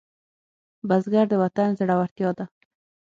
بزګر د وطن زړورتیا ده